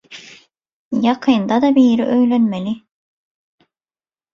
Ýakynda-da biri öýlenmeli.